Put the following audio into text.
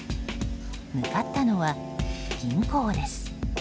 向かったのは、銀行です。